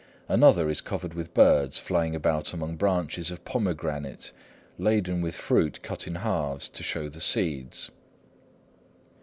Another is covered with birds flying about among branches of pomegranate laden with fruit cut in halves to show the seeds.